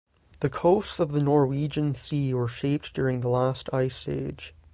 The coasts of the Norwegian Sea were shaped during the last Ice Age.